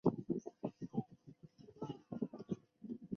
尖齿黄耆是豆科黄芪属的植物。